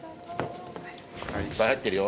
・いっぱい入ってるよ。